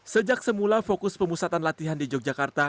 sejak semula fokus pemusatan latihan di yogyakarta